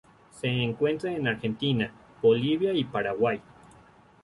Se encuentra en Argentina, Bolivia y Paraguay.